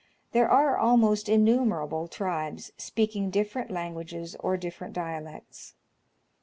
There are, almost, innumerable tribes, speaking different languages or different dialects.